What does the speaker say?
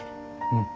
うん。